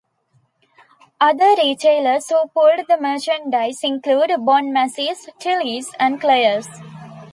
Other retailers who pulled the merchandise included Bon-Macy's, Tilly's, and Claire's.